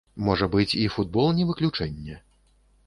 Можа быць, і футбол не выключэнне?